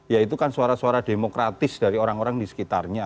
ya itu kan suara suara demokratis dari orang orang di sekitarnya